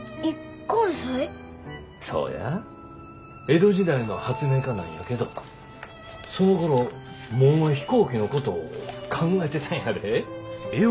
江戸時代の発明家なんやけどそのころもう飛行機のこと考えてたんやで。